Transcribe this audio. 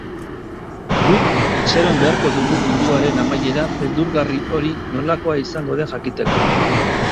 Guk, itxaron beharko dugu munduaren amaiera beldurgarri hori nolakoa izango den jakiteko.